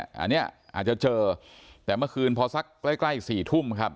อันนี้อาจจะเจอแต่เมื่อคืนพอสักใกล้ใกล้สี่ทุ่มครับ